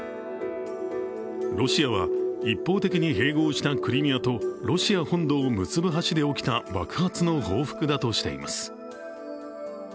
ロシアは、一方的に併合したクリミアと、ロシア本土を結ぶ橋で起きた爆発の報復だとしています。